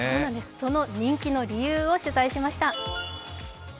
その人気の理由を取材しました。